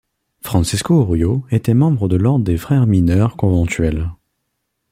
Francesco Urio était membre de l'ordre des Frères mineurs conventuels.